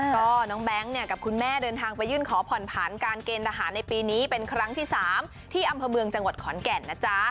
ก็น้องแบงค์เนี่ยกับคุณแม่เดินทางไปยื่นขอผ่อนผันการเกณฑ์ทหารในปีนี้เป็นครั้งที่๓ที่อำเภอเมืองจังหวัดขอนแก่นนะจ๊ะ